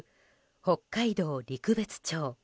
北海道陸別町。